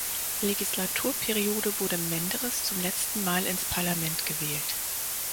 Legislaturperiode wurde Menderes zum letzten Mal ins Parlament gewählt.